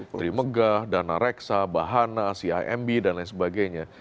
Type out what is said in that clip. trimegah dana reksa bahana cimb dan lain sebagainya